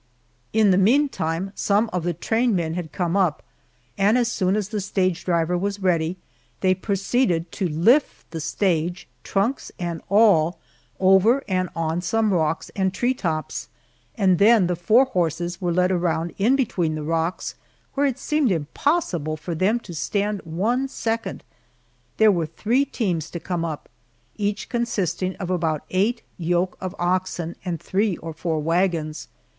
In the meantime some of the train men had come up, and, as soon as the stage driver was ready, they proceeded to lift the stage trunks and all over and on some rocks and tree tops, and then the four horses were led around in between other rocks, where it seemed impossible for them to stand one second. There were three teams to come up, each consisting of about eight yoke of oxen and three or four wagons.